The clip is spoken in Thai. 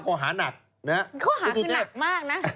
เขาหาคือนักมากนะ